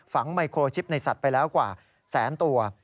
ไมโครชิปในสัตว์ไปแล้วกว่าแสนตัว